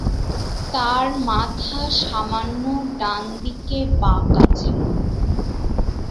তার মাথা সামান্য ডান দিকে বাঁক আছে।